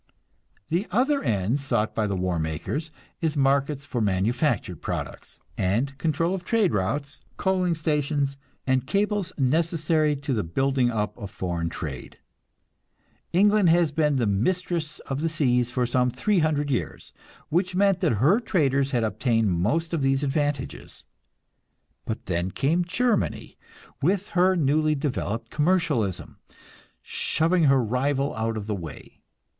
The other end sought by the war makers is markets for manufactured products, and control of trade routes, coaling stations and cables necessary to the building up of foreign trade. England has been "mistress of the seas" for some 300 years, which meant that her traders had obtained most of these advantages. But then came Germany, with her newly developed commercialism, shoving her rival out of the way.